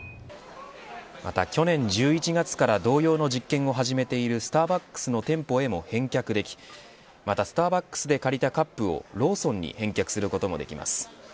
また去年１１月から同様の実験を始めているスターバックスの店舗へも返却できまたスターバックスで借りたカップをローソンに返却することもできます。